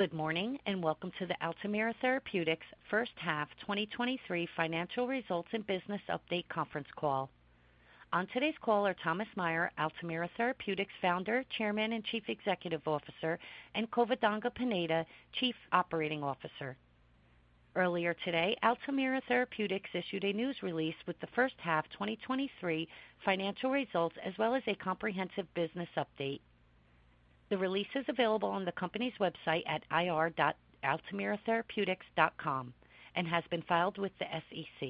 Good morning, and welcome to the Altamira Therapeutics H1 2023 financial results and business update conference call. On today's call are Thomas Meyer, Altamira Therapeutics Founder, Chairman, and Chief Executive Officer, and Covadonga Pañeda, Chief Operating Officer. Earlier today, Altamira Therapeutics issued a news release with the H1 2023 financial results, as well as a comprehensive business update. The release is available on the company's website at ir.altamiratherapeutics.com and has been filed with the SEC.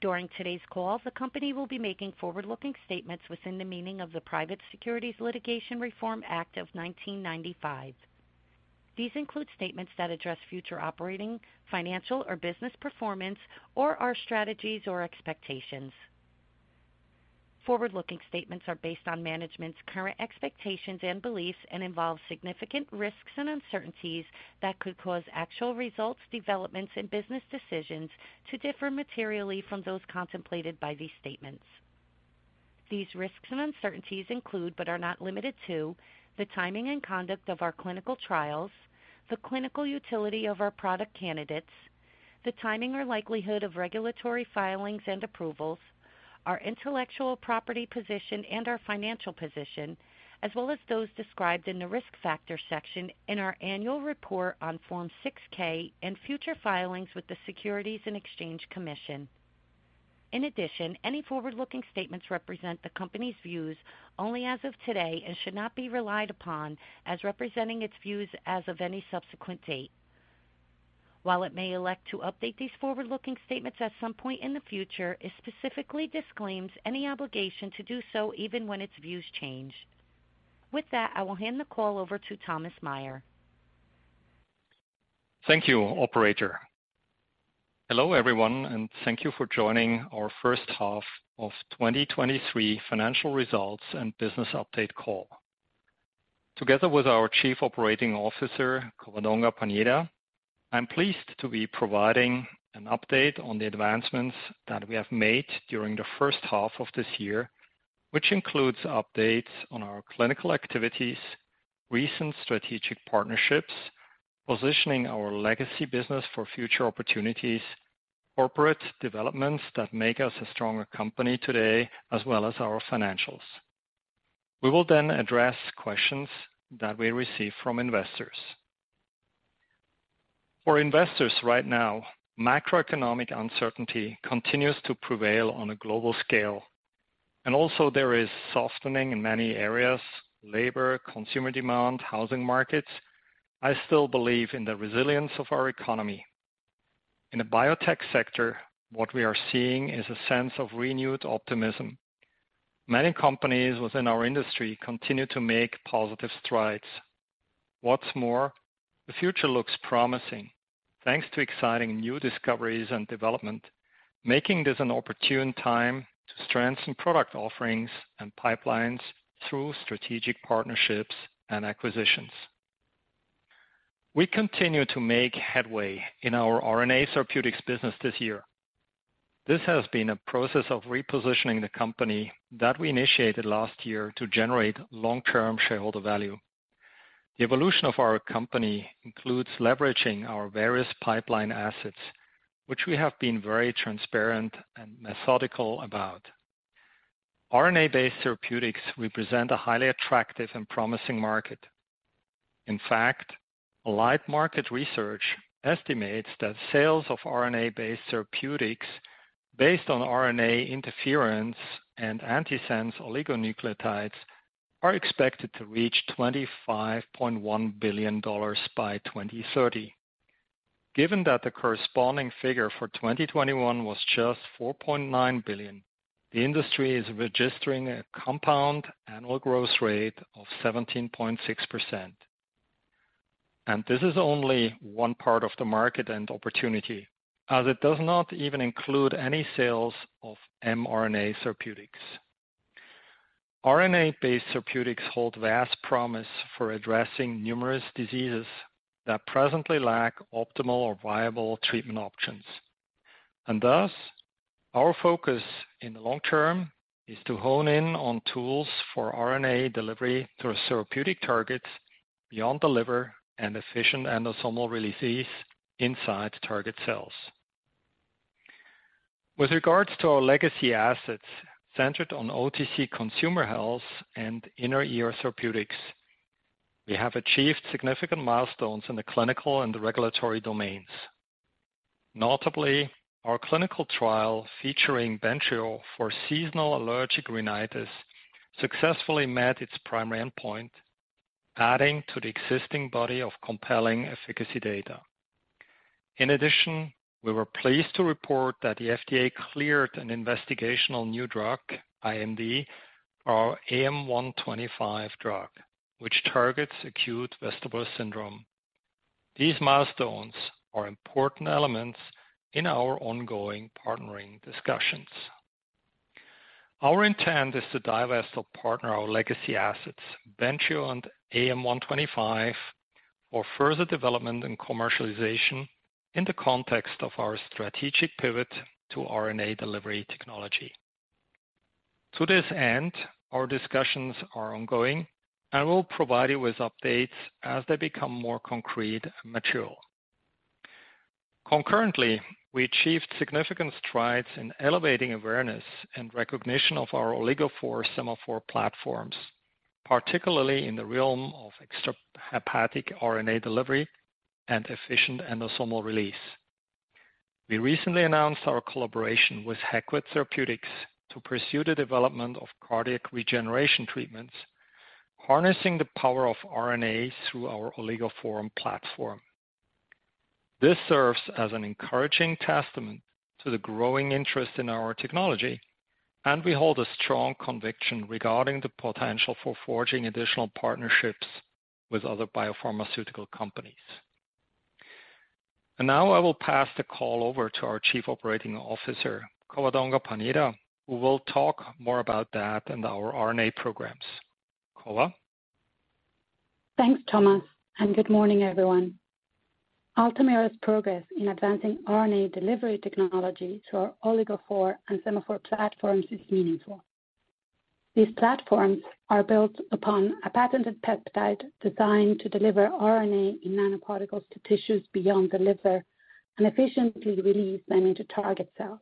During today's call, the company will be making forward-looking statements within the meaning of the Private Securities Litigation Reform Act of 1995. These include statements that address future operating, financial, or business performance or our strategies or expectations. Forward-looking statements are based on management's current expectations and beliefs and involve significant risks and uncertainties that could cause actual results, developments, and business decisions to differ materially from those contemplated by these statements. These risks and uncertainties include, but are not limited to, the timing and conduct of our clinical trials, the clinical utility of our product candidates, the timing or likelihood of regulatory filings and approvals, our intellectual property position and our financial position, as well as those described in the risk factors section in our annual report on Form 6-K and future filings with the Securities and Exchange Commission. In addition, any forward-looking statements represent the company's views only as of today and should not be relied upon as representing its views as of any subsequent date. While it may elect to update these forward-looking statements at some point in the future, it specifically disclaims any obligation to do so, even when its views change. With that, I will hand the call over to Thomas Meyer. Thank you, operator. Hello, everyone, and thank you for joining our H1 of 2023 financial results and business update call. Together with our Chief Operating Officer, Covadonga Pañeda, I'm pleased to be providing an update on the advancements that we have made during the H1 of this year, which includes updates on our clinical activities, recent strategic partnerships, positioning our legacy business for future opportunities, corporate developments that make us a stronger company today, as well as our financials. We will then address questions that we receive from investors. For investors right now, macroeconomic uncertainty continues to prevail on a global scale, and also there is softening in many areas: labor, consumer demand, housing markets. I still believe in the resilience of our economy. In the biotech sector, what we are seeing is a sense of renewed optimism. Many companies within our industry continue to make positive strides. What's more, the future looks promising, thanks to exciting new discoveries and development, making this an opportune time to strengthen product offerings and pipelines through strategic partnerships and acquisitions. We continue to make headway in our RNA therapeutics business this year. This has been a process of repositioning the company that we initiated last year to generate long-term shareholder value. The evolution of our company includes leveraging our various pipeline assets, which we have been very transparent and methodical about. RNA-based therapeutics represent a highly attractive and promising market. In fact, Light Market Research estimates that sales of RNA-based therapeutics based on RNA interference and antisense oligonucleotides are expected to reach $25.1 billion by 2030. Given that the corresponding figure for 2021 was just $4.9 billion, the industry is registering a compound annual growth rate of 17.6%. This is only one part of the market and opportunity, as it does not even include any sales of mRNA therapeutics. RNA-based therapeutics hold vast promise for addressing numerous diseases that presently lack optimal or viable treatment options. Thus, our focus in the long term is to hone in on tools for RNA delivery through therapeutic targets beyond the liver and efficient endosomal releases inside target cells. With regards to our legacy assets centered on OTC consumer health and inner ear therapeutics, we have achieved significant milestones in the clinical and regulatory domains. Notably, our clinical trial featuring Bentrio for seasonal allergic rhinitis successfully met its primary endpoint, adding to the existing body of compelling efficacy data. In addition, we were pleased to report that the FDA cleared an investigational new drug, IND, our AM-125 drug, which targets acute vestibular syndrome. These milestones are important elements in our ongoing partnering discussions. Our intent is to divest or partner our legacy assets, Bentrio and AM-125, for further development and commercialization in the context of our strategic pivot to RNA delivery technology. To this end, our discussions are ongoing, and we'll provide you with updates as they become more concrete and mature. Concurrently, we achieved significant strides in elevating awareness and recognition of our OligoPhore SemaPhore platforms, particularly in the realm of extrahepatic RNA delivery and efficient endosomal release. We recently announced our collaboration with Heqet Therapeutics to pursue the development of cardiac regeneration treatments, harnessing the power of RNA through our OligoPhore platform. This serves as an encouraging testament to the growing interest in our technology, and we hold a strong conviction regarding the potential for forging additional partnerships with other biopharmaceutical companies. And now I will pass the call over to our Chief Operating Officer, Covadonga Pañeda, who will talk more about that and our RNA programs. Cova? Thanks, Thomas, and good morning, everyone. Altamira's progress in advancing RNA delivery technology to our OligoPhore and SemaPhore platforms is meaningful. These platforms are built upon a patented peptide designed to deliver RNA in nanoparticles to tissues beyond the liver and efficiently release them into target cells.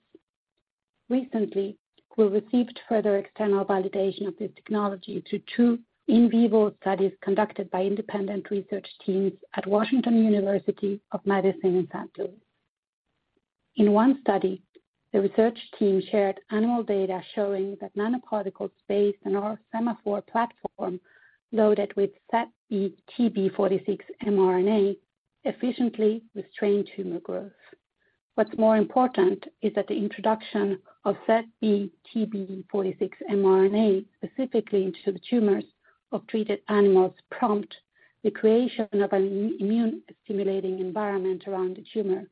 Recently, we received further external validation of this technology through two in vivo studies conducted by independent research teams at Washington University School of Medicine in St. Louis. In one study, the research team shared animal data showing that nanoparticles based on our SemaPhore platform, loaded with ZBTB46 mRNA, efficiently restrained tumor growth. What's more important is that the introduction of ZBTB46 mRNA specifically into the tumors of treated animals prompt the creation of an immune stimulating environment around the tumor,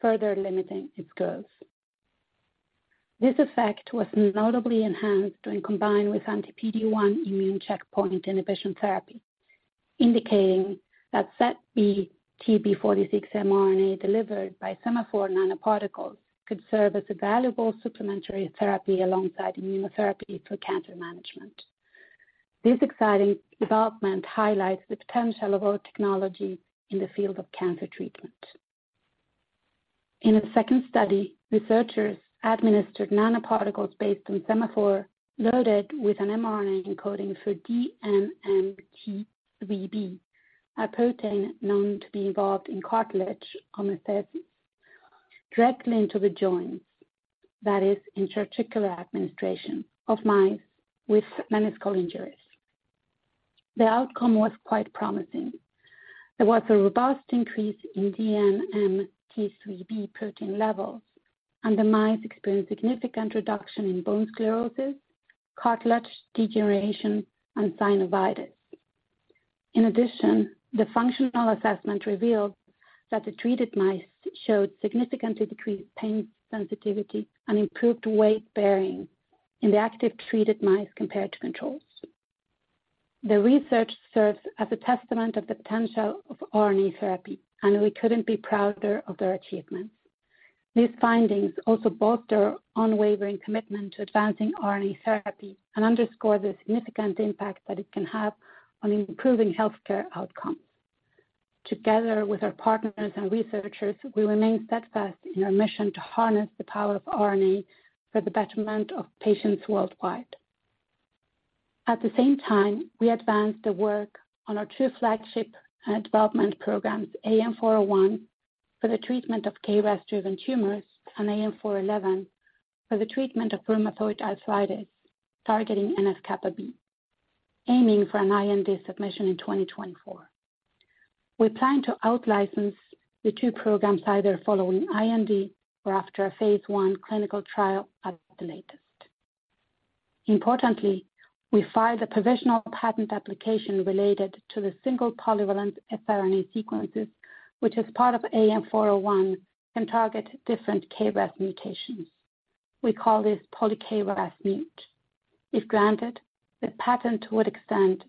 further limiting its growth. This effect was notably enhanced when combined with anti-PD-1 immune checkpoint inhibition therapy, indicating that ZBTB46 mRNA delivered by SemaPhore nanoparticles could serve as a valuable supplementary therapy alongside immunotherapy for cancer management. This exciting development highlights the potential of our technology in the field of cancer treatment. In a second study, researchers administered nanoparticles based on SemaPhore, loaded with an mRNA encoding for DNMT3B, a protein known to be involved in cartilage homeostasis, directly into the joints, that is, intra-articular administration of mice with meniscal injuries. The outcome was quite promising. There was a robust increase in DNMT3B protein levels, and the mice experienced significant reduction in bone sclerosis, cartilage degeneration, and synovitis. In addition, the functional assessment revealed that the treated mice showed significantly decreased pain sensitivity and improved weight bearing in the active treated mice compared to controls. The research serves as a testament of the potential of RNA therapy, and we couldn't be prouder of their achievements. These findings also bolster unwavering commitment to advancing RNA therapy and underscore the significant impact that it can have on improving healthcare outcomes. Together with our partners and researchers, we remain steadfast in our mission to harness the power of RNA for the betterment of patients worldwide. At the same time, we advanced the work on our two flagship development programs, AM-401, for the treatment of KRAS-driven tumors, and AM-411, for the treatment of rheumatoid arthritis, targeting NF-κB, aiming for an IND submission in 2024. We plan to out-license the two programs either following IND or after a phase I clinical trial at the latest. Importantly, we filed a provisional patent application related to the single polyvalent siRNA sequences, which is part of AM-401, can target different KRAS mutations. We call this polyKRASmut. If granted, the patent would extend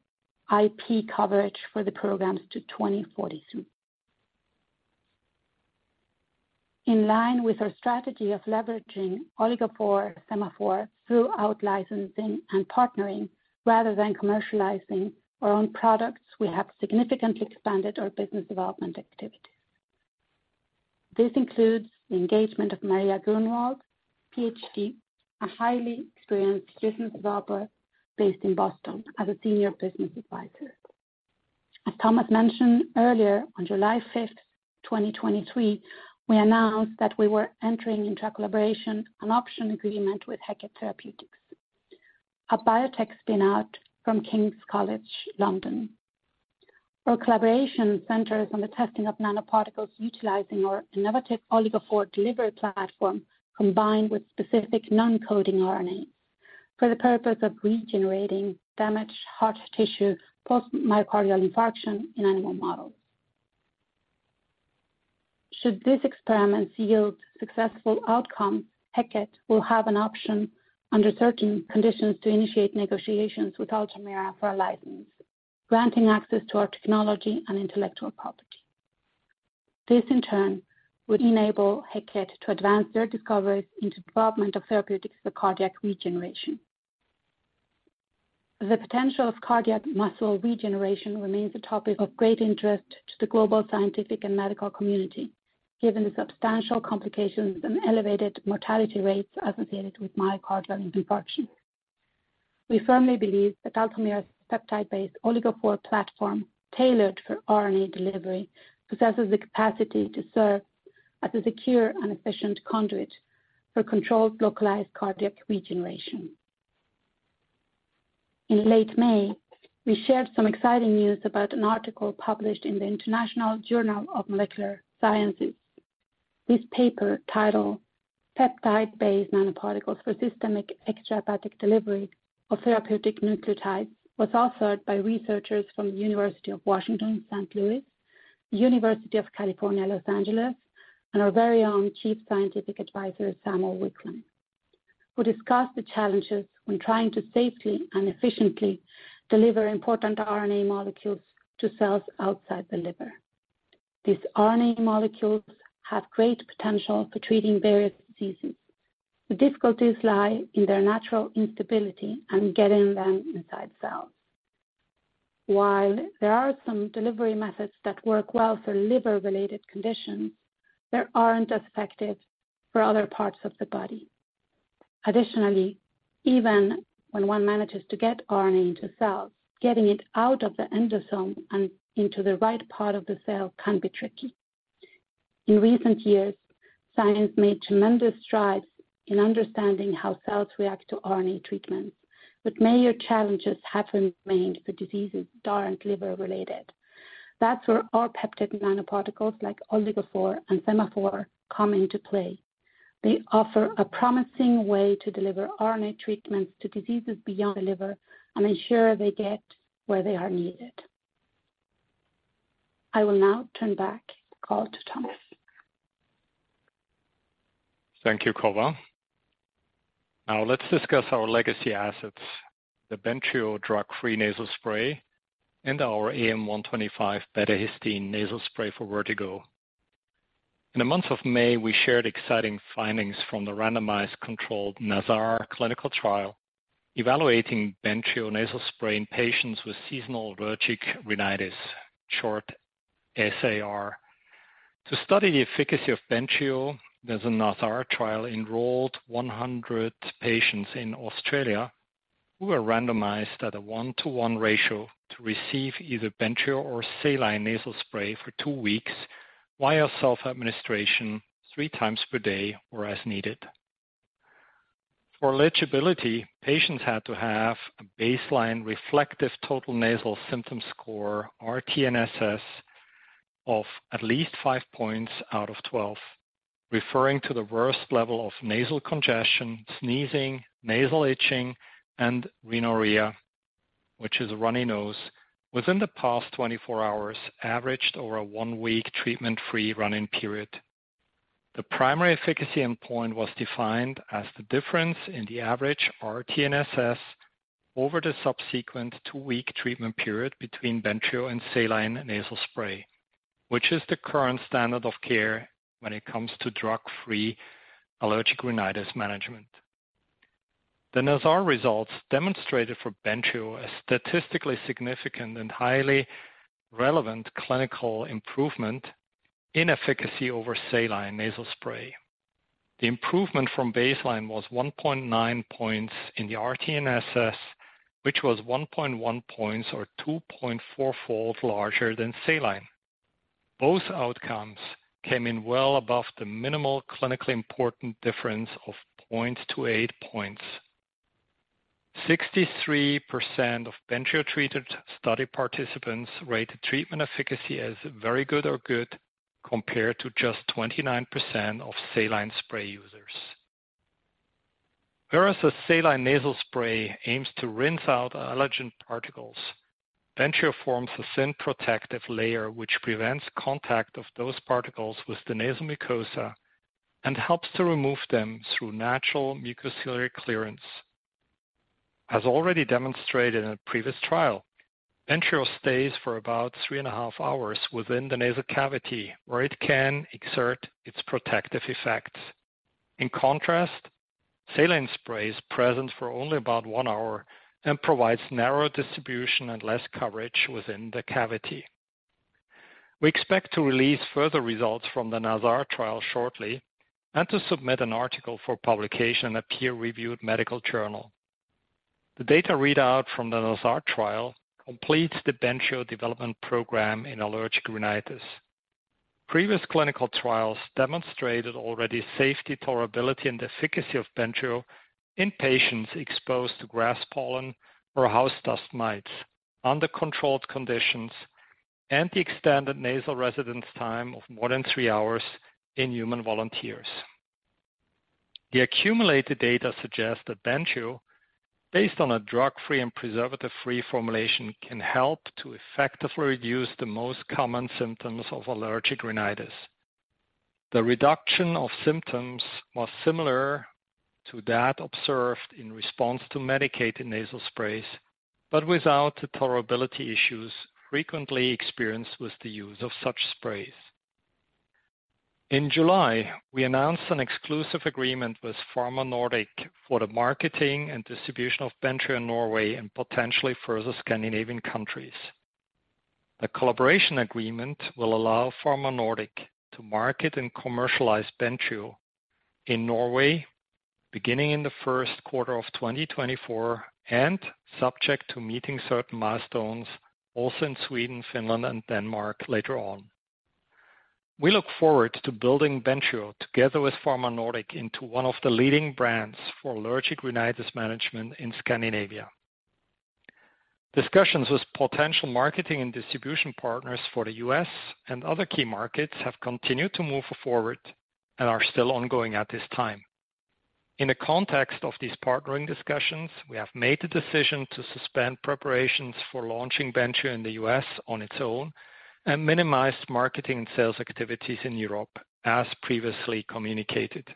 IP coverage for the programs to 2042. In line with our strategy of leveraging OligoPhore SemaPhore throughout licensing and partnering, rather than commercializing our own products, we have significantly expanded our business development activities. This includes the engagement of Maria Grunwald, Ph.D., a highly experienced business developer based in Boston, as a senior business advisor. As Thomas mentioned earlier, on 5 July 2023, we announced that we were entering into a collaboration, an option agreement with Heqet Therapeutics, a biotech spin-out from King's College London. Our collaboration centers on the testing of nanoparticles utilizing our innovative OligoPhore delivery platform, combined with specific non-coding RNA, for the purpose of regenerating damaged heart tissue, post myocardial infarction in animal models. Should these experiments yield successful outcomes, Heqet will have an option under certain conditions to initiate negotiations with Altamira for a license, granting access to our technology and intellectual property. This, in turn, would enable Heqet to advance their discoveries into development of therapeutics for cardiac regeneration. The potential of cardiac muscle regeneration remains a topic of great interest to the global scientific and medical community, given the substantial complications and elevated mortality rates associated with myocardial infarction. We firmly believe that Altamira's peptide-based OligoPhore platform, tailored for RNA delivery, possesses the capacity to serve as a secure and efficient conduit for controlled, localized cardiac regeneration. In late May, we shared some exciting news about an article published in the International Journal of Molecular Sciences. This paper, titled "Peptide-Based Nanoparticles for Systemic Extrahepatic Delivery of Therapeutic Nucleotides," was authored by researchers from Washington University in St. Louis, University of California, Los Angeles, and our very own Chief Scientific Adviser, Samuel Wickline, who discussed the challenges when trying to safely and efficiently deliver important RNA molecules to cells outside the liver. These RNA molecules have great potential for treating various diseases. The difficulties lie in their natural instability and getting them inside cells. While there are some delivery methods that work well for liver-related conditions, they aren't as effective for other parts of the body. Additionally, even when one manages to get RNA into cells, getting it out of the endosome and into the right part of the cell can be tricky. In recent years, science made tremendous strides in understanding how cells react to RNA treatments, but major challenges have remained for diseases that aren't liver-related. That's where our peptide nanoparticles, like OligoPhore and SemaPhore, come into play. They offer a promising way to deliver RNA treatments to diseases beyond the liver and ensure they get where they are needed. I will now turn back the call to Thomas. Thank you, Cova. Now, let's discuss our legacy assets, the Bentrio drug-free nasal spray, and our AM-125 betahistine nasal spray for vertigo. In the month of May, we shared exciting findings from the randomized controlled NASAR clinical trial evaluating Bentrio nasal spray in patients with seasonal allergic rhinitis, short SAR. To study the efficacy of Bentrio, the NASAR trial enrolled 100 patients in Australia who were randomized at a 1-to-1 ratio to receive either Bentrio or saline nasal spray for two weeks via self-administration, three times per day or as needed. For eligibility, patients had to have a baseline reflective total nasal symptom score, or rTNSS, of at least five points out of 12, referring to the worst level of nasal congestion, sneezing, nasal itching, and rhinorrhea, which is a runny nose, within the past 24 hours, averaged over a one-week, treatment-free run-in period. The primary efficacy endpoint was defined as the difference in the average rTNSS over the subsequent two-week treatment period between Bentrio and saline nasal spray, which is the current standard of care when it comes to drug-free allergic rhinitis management. The NASAR results demonstrated for Bentrio a statistically significant and highly relevant clinical improvement in efficacy over saline nasal spray. The improvement from baseline was 1.9 points in the rTNSS, which was 1.1 points or 2.4-fold larger than saline. Both outcomes came in well above the minimal clinically important difference of 0.2-0.8 points. 63% of Bentrio-treated study participants rated treatment efficacy as very good or good, compared to just 29% of saline spray users. Whereas a saline nasal spray aims to rinse out allergen particles, Bentrio forms a thin protective layer, which prevents contact of those particles with the nasal mucosa and helps to remove them through natural mucociliary clearance. As already demonstrated in a previous trial, Bentrio stays for about 3.5 hours within the nasal cavity, where it can exert its protective effects. In contrast, saline spray is present for only about 1 hour and provides narrower distribution and less coverage within the cavity. We expect to release further results from the NASAR trial shortly and to submit an article for publication in a peer-reviewed medical journal. The data readout from the NASAR trial completes the Bentrio development program in allergic rhinitis. Previous clinical trials demonstrated already safety, tolerability, and efficacy of Bentrio in patients exposed to grass pollen or house dust mites under controlled conditions, and the extended nasal residence time of more than three hours in human volunteers. The accumulated data suggest that Bentrio, based on a drug-free and preservative-free formulation, can help to effectively reduce the most common symptoms of allergic rhinitis. The reduction of symptoms was similar to that observed in response to medicated nasal sprays, but without the tolerability issues frequently experienced with the use of such sprays. In July, we announced an exclusive agreement with Pharma Nordic for the marketing and distribution of Bentrio in Norway and potentially further Scandinavian countries. The collaboration agreement will allow Pharma Nordic to market and commercialize Bentrio in Norway, beginning in the Q1 of 2024, and subject to meeting certain milestones, also in Sweden, Finland, and Denmark later on. We look forward to building Bentrio together with Pharma Nordic into one of the leading brands for allergic rhinitis management in Scandinavia. Discussions with potential marketing and distribution partners for the U.S. and other key markets have continued to move forward and are still ongoing at this time. In the context of these partnering discussions, we have made the decision to suspend preparations for launching Bentrio in the U.S. on its own, and minimize marketing and sales activities in Europe as previously communicated.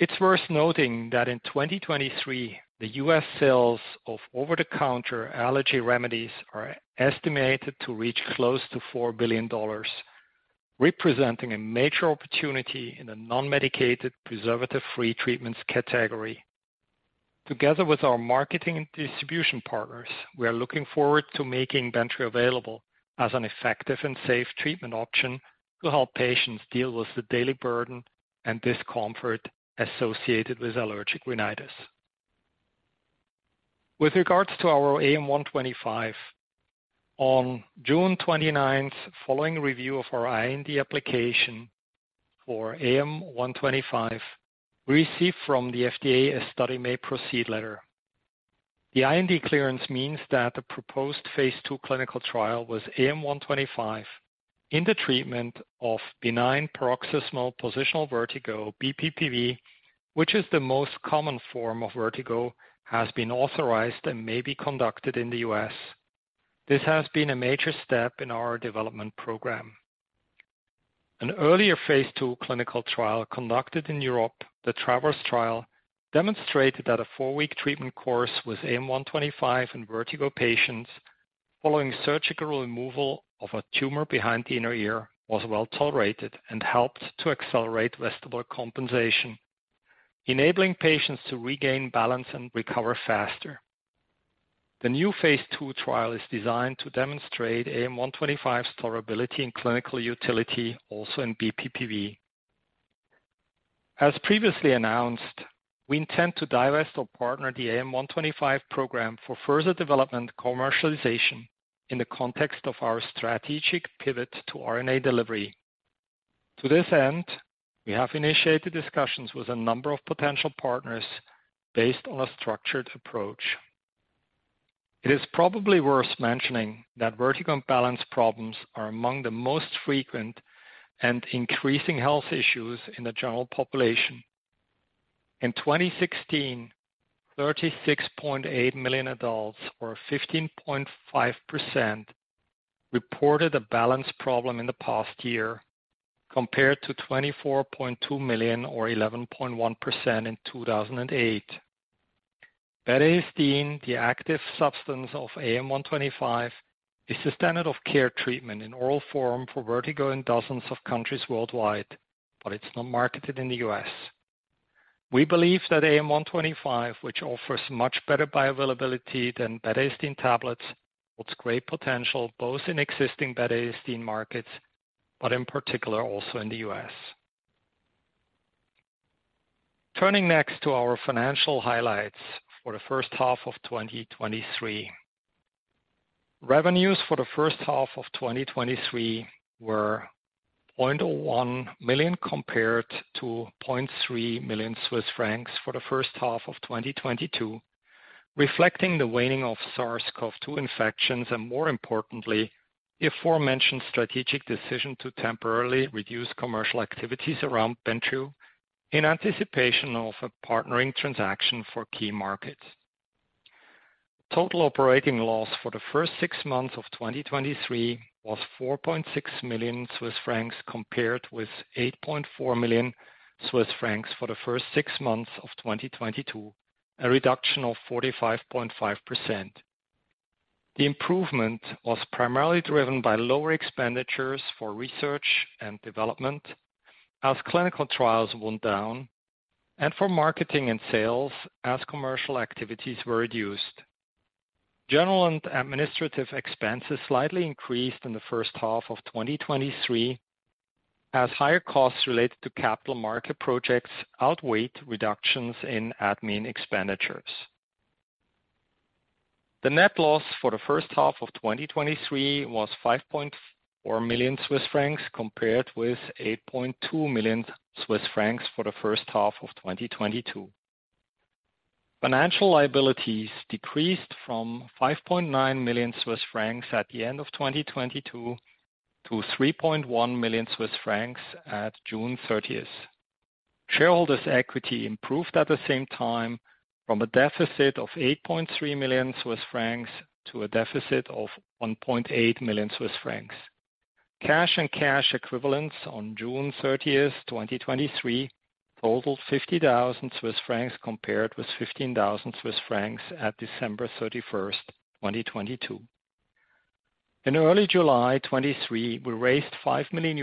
It's worth noting that in 2023, the U.S. sales of over-the-counter allergy remedies are estimated to reach close to $4 billion, representing a major opportunity in a non-medicated, preservative-free treatments category. Together with our marketing and distribution partners, we are looking forward to making Bentrio available as an effective and safe treatment option to help patients deal with the daily burden and discomfort associated with allergic rhinitis. With regards to our AM-125, on June 29th, following review of our IND application for AM-125, we received from the FDA a study may proceed letter. The IND clearance means that the proposed phase II clinical trial with AM-125 in the treatment of benign paroxysmal positional vertigo, BPPV, which is the most common form of vertigo, has been authorized and may be conducted in the U.S. This has been a major step in our development program. An earlier phase II clinical trial conducted in Europe, the TRAVERS trial, demonstrated that a four-week treatment course with AM-125 in vertigo patients following surgical removal of a tumor behind the inner ear, was well tolerated and helped to accelerate vestibular compensation, enabling patients to regain balance and recover faster. The new phase II trial is designed to demonstrate AM-125's tolerability and clinical utility also in BPPV. As previously announced, we intend to divest or partner the AM-125 program for further development commercialization in the context of our strategic pivot to RNA delivery. To this end, we have initiated discussions with a number of potential partners based on a structured approach. It is probably worth mentioning that vertigo and balance problems are among the most frequent and increasing health issues in the general population. In 2016, 36.8 million adults, or 15.5%, reported a balance problem in the past year, compared to 24.2 million or 11.1% in 2008. Betahistine, the active substance of AM-125, is the standard of care treatment in oral form for vertigo in dozens of countries worldwide, but it's not marketed in the U.S. We believe that AM-125, which offers much better bioavailability than betahistine tablets, holds great potential, both in existing betahistine markets, but in particular, also in the U.S. Turning next to our financial highlights for the H1 of 2023. Revenues for the H1 of 2023 were 0.01 million, compared to 0.3 million Swiss francs for the H1 of 2022, reflecting the waning of SARS-CoV-2 infections, and more importantly, the aforementioned strategic decision to temporarily reduce commercial activities around Bentrio in anticipation of a partnering transaction for key markets. Total operating loss for the first six months of 2023 was 4.6 million Swiss francs, compared with 8.4 million Swiss francs for the first six months of 2022, a reduction of 45.5%. The improvement was primarily driven by lower expenditures for research and development as clinical trials wound down, and for marketing and sales as commercial activities were reduced. General and administrative expenses slightly increased in the H1 of 2023, as higher costs related to capital market projects outweighed reductions in admin expenditures. The net loss for the H1 of 2023 was 5.4 million Swiss francs, compared with 8.2 million Swiss francs for the H1 of 2022. Financial liabilities decreased from 5.9 million Swiss francs at the end of 2022 to 3.1 million Swiss francs at June 30. Shareholders' equity improved at the same time from a deficit of 8.3 million Swiss francs to a deficit of 1.8 million Swiss francs. Cash and cash equivalents on June 30, 2023, totaled 50,000 Swiss francs, compared with 15,000 Swiss francs at December 31, 2022. In early July 2023, we raised $5 million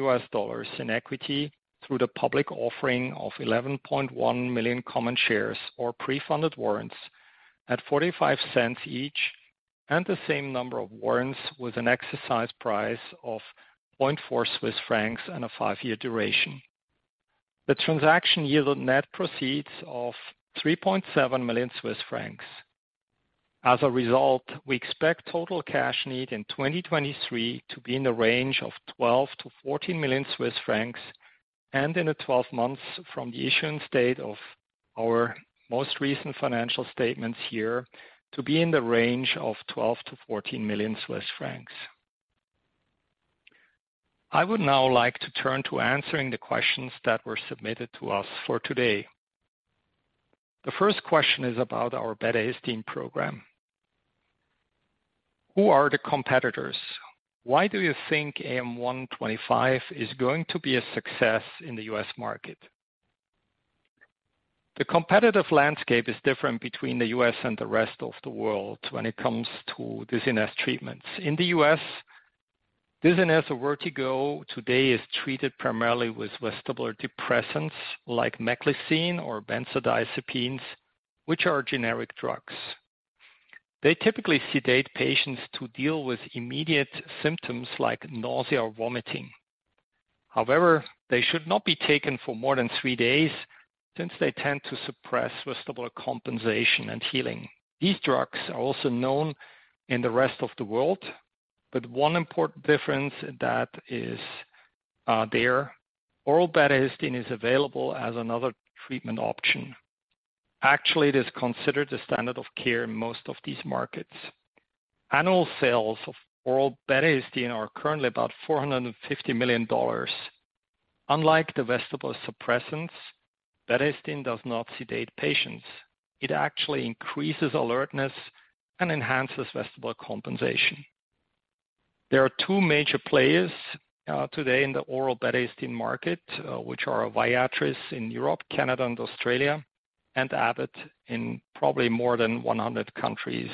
in equity through the public offering of 11.1 million common shares or pre-funded warrants at $0.45 each, and the same number of warrants with an exercise price of 0.4 Swiss francs and a 5-year duration. The transaction yielded net proceeds of 3.7 million Swiss francs. As a result, we expect total cash need in 2023 to be in the range of 12-14 million Swiss francs, and in the 12 months from the issuance date of our most recent financial statements here, to be in the range of 12-14 million Swiss francs. I would now like to turn to answering the questions that were submitted to us for today. The first question is about our betahistine program. Who are the competitors? Why do you think AM-125 is going to be a success in the U.S. market? The competitive landscape is different between the U.S. and the rest of the world when it comes to dizziness treatments. In the U.S., dizziness or vertigo today is treated primarily with vestibular depressants like meclizine or benzodiazepines, which are generic drugs. They typically sedate patients to deal with immediate symptoms like nausea or vomiting. However, they should not be taken for more than three days since they tend to suppress vestibular compensation and healing. These drugs are also known in the rest of the world, but one important difference, that is, there, oral betahistine is available as another treatment option. Actually, it is considered the standard of care in most of these markets. Annual sales of oral betahistine are currently about $450 million. Unlike the vestibular suppressants, betahistine does not sedate patients. It actually increases alertness and enhances vestibular compensation. There are two major players today in the oral betahistine market, which are Viatris in Europe, Canada, and Australia, and Abbott in probably more than 100 countries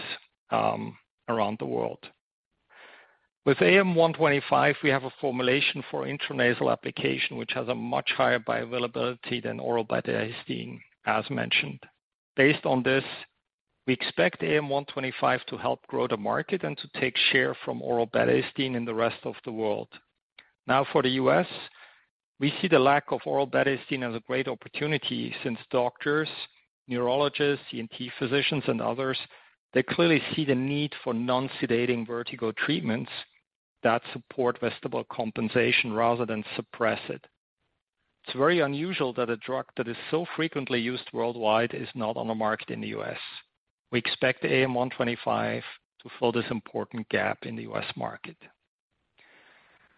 around the world. With AM-125, we have a formulation for intranasal application, which has a much higher bioavailability than oral betahistine, as mentioned. Based on this, we expect AM-125 to help grow the market and to take share from oral betahistine in the rest of the world. Now, for the U.S., we see the lack of oral betahistine as a great opportunity since doctors, neurologists, ENT physicians, and others, they clearly see the need for non-sedating vertigo treatments that support vestibular compensation rather than suppress it. It's very unusual that a drug that is so frequently used worldwide is not on the market in the US. We expect the AM-125 to fill this important gap in the US market.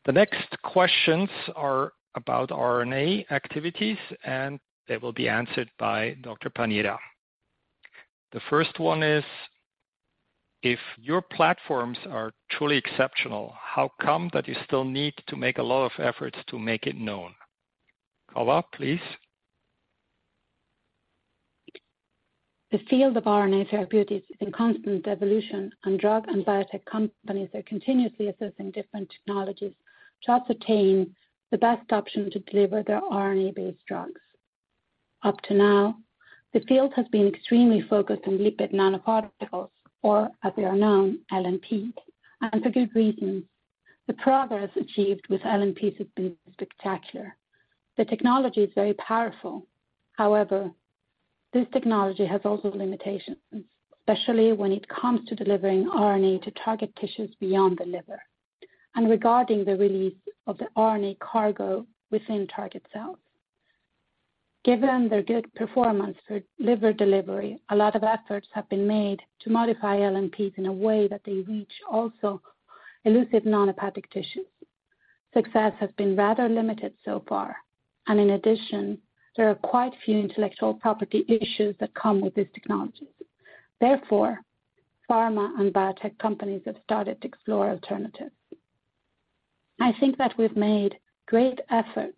The next questions are about RNA activities, and they will be answered by Dr. Pañeda. The first one is: If your platforms are truly exceptional, how come that you still need to make a lot of efforts to make it known? Cova, please. The field of RNA therapeutics is in constant evolution, and drug and biotech companies are continuously assessing different technologies to ascertain the best option to deliver their RNA-based drugs. Up to now, the field has been extremely focused on lipid nanoparticles, or as they are known, LNPs, and for good reason. The progress achieved with LNPs has been spectacular. The technology is very powerful. However, this technology has also limitations, especially when it comes to delivering RNA to target tissues beyond the liver and regarding the release of the RNA cargo within target cells. Given their good performance for liver delivery, a lot of efforts have been made to modify LNPs in a way that they reach also elusive non-hepatic tissues. Success has been rather limited so far, and in addition, there are quite a few intellectual property issues that come with this technology. Therefore, pharma and biotech companies have started to explore alternatives. I think that we've made great effort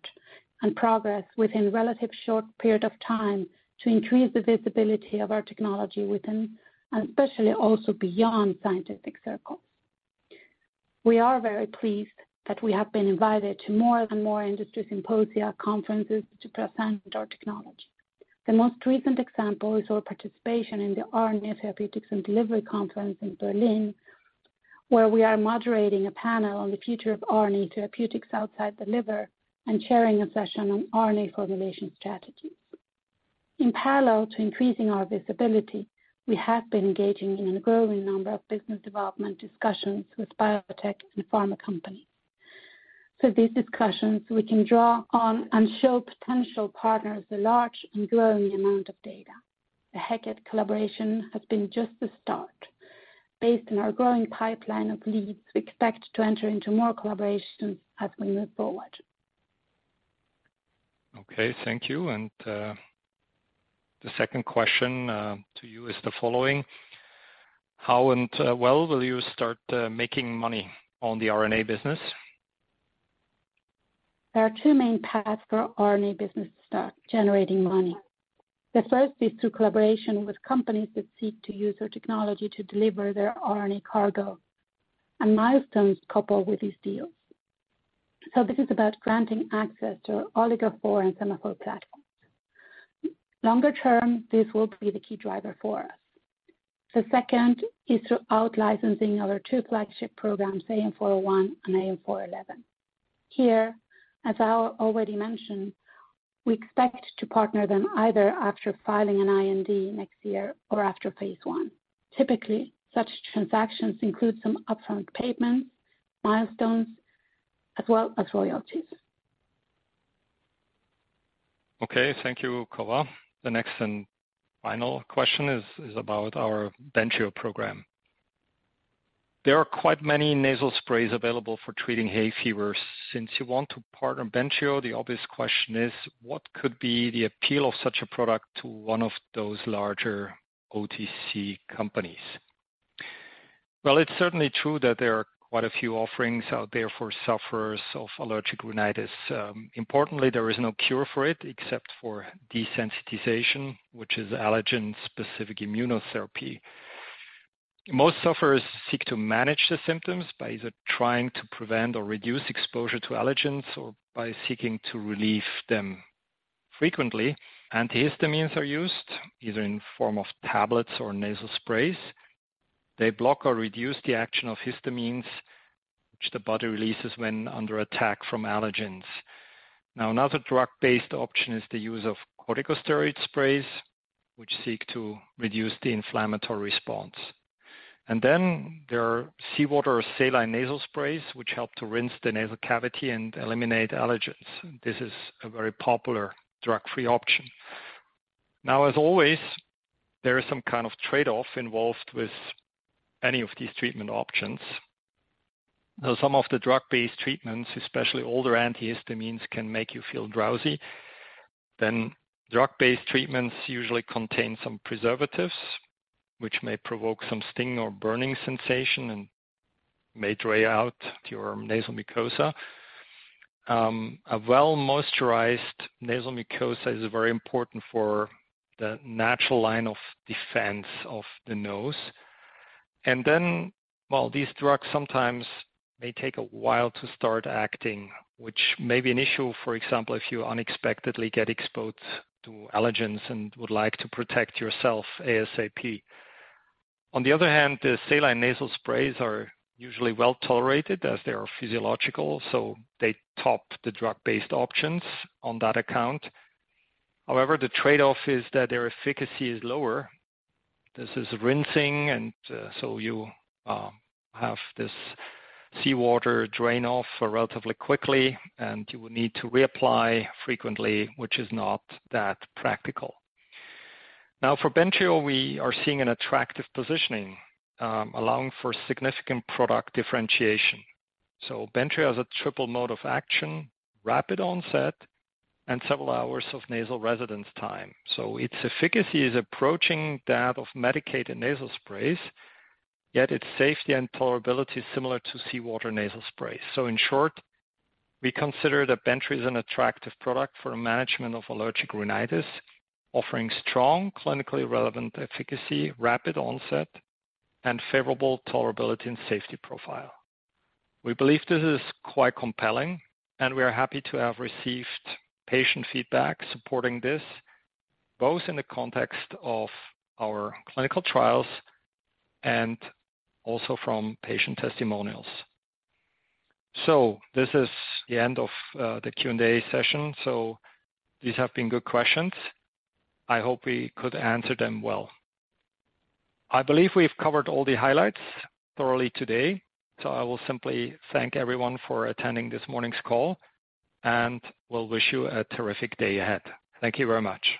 and progress within a relatively short period of time to increase the visibility of our technology within, and especially also beyond, scientific circles. We are very pleased that we have been invited to more and more industry symposia conferences to present our technology. The most recent example is our participation in the RNA Therapeutics and Delivery conference in Berlin, where we are moderating a panel on the future of RNA therapeutics outside the liver and chairing a session on RNA formulation strategies. In parallel to increasing our visibility, we have been engaging in a growing number of business development discussions with biotech and pharma companies. So these discussions we can draw on and show potential partners a large and growing amount of data. The Heqet collaboration has been just the start. Based on our growing pipeline of leads, we expect to enter into more collaborations as we move forward. Okay, thank you. The second question to you is the following: How and, well will you start making money on the RNA business? There are two main paths for RNA business to start generating money. The first is through collaboration with companies that seek to use our technology to deliver their RNA cargo, and milestones coupled with these deals. This is about granting access to OligoPhore and SemaPhore platforms. Longer term, this will be the key driver for us. The second is through out-licensing our two flagship programs, AM-401 and AM-411. Here, as I already mentioned, we expect to partner them either after filing an IND next year or after phase one. Typically, such transactions include some upfront payments, milestones, as well as royalties. Okay, thank you, Cova. The next and final question is about our Bentrio program. There are quite many nasal sprays available for treating hay fever. Since you want to partner Bentrio, the obvious question is, what could be the appeal of such a product to one of those larger OTC companies? Well, it's certainly true that there are quite a few offerings out there for sufferers of allergic rhinitis. Importantly, there is no cure for it, except for desensitization, which is allergen-specific immunotherapy. Most sufferers seek to manage the symptoms by either trying to prevent or reduce exposure to allergens or by seeking to relieve them. Frequently, antihistamines are used, either in form of tablets or nasal sprays. They block or reduce the action of histamines, which the body releases when under attack from allergens. Now, another drug-based option is the use of corticosteroid sprays, which seek to reduce the inflammatory response. Then there are seawater or saline nasal sprays, which help to rinse the nasal cavity and eliminate allergens. This is a very popular drug-free option. Now, as always, there is some kind of trade-off involved with any of these treatment options. Though some of the drug-based treatments, especially older antihistamines, can make you feel drowsy. Drug-based treatments usually contain some preservatives, which may provoke some sting or burning sensation and may dry out your nasal mucosa. A well-moisturized nasal mucosa is very important for the natural line of defense of the nose. While these drugs sometimes may take a while to start acting, which may be an issue, for example, if you unexpectedly get exposed to allergens and would like to protect yourself ASAP. On the other hand, the saline nasal sprays are usually well-tolerated as they are physiological, so they top the drug-based options on that account. However, the trade-off is that their efficacy is lower. This is rinsing, and, so you, have this seawater drain off relatively quickly, and you will need to reapply frequently, which is not that practical. Now, for Bentrio, we are seeing an attractive positioning, allowing for significant product differentiation. So Bentrio has a triple mode of action, rapid onset, and several hours of nasal residence time. So its efficacy is approaching that of medicated nasal sprays, yet its safety and tolerability is similar to seawater nasal sprays. So in short, we consider that Bentrio is an attractive product for the management of allergic rhinitis, offering strong, clinically relevant efficacy, rapid onset, and favorable tolerability and safety profile. We believe this is quite compelling, and we are happy to have received patient feedback supporting this, both in the context of our clinical trials and also from patient testimonials. So this is the end of the Q&A session. So these have been good questions. I hope we could answer them well. I believe we've covered all the highlights thoroughly today, so I will simply thank everyone for attending this morning's call, and we'll wish you a terrific day ahead. Thank you very much.